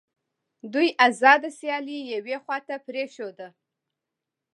دوی آزاده سیالي یوې خواته پرېښوده